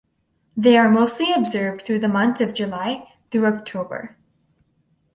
They are mostly observed through the months of July through October.